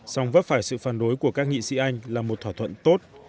song vấp phải sự phản đối của các nghị sĩ anh là một thỏa thuận tốt